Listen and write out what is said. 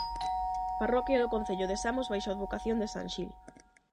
Parroquia do concello de Samos baixo a advocación de san Xil.